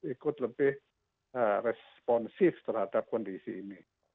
ikut lebih responsif terhadap kondisi ini